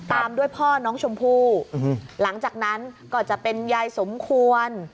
ตามด้วยพ่อน้องชมพู่หลังจากนั้นก็จะเป็นยายสมควร